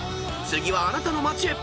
［次はあなたの町へ。